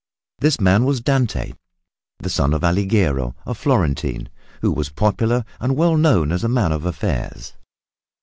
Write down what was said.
This man was Dante, the son of Alighiero, a Florentine who was popular and well known as a man of affairs.